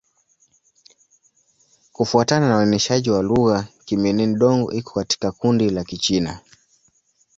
Kufuatana na uainishaji wa lugha, Kimin-Dong iko katika kundi la Kichina.